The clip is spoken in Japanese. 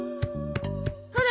ほら。